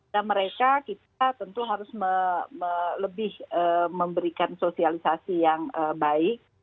dan mereka kita tentu harus lebih memberikan sosialisasi yang baik